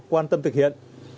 quan tâm thực hiện